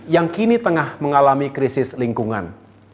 yang kini tengah mengalami krisis lingkungan